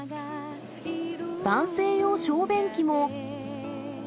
男性用小便器も。